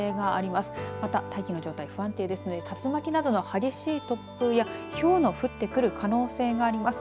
また、大気の状態不安定ですので竜巻などの激しい突風やひょうの降ってくる可能性もあります。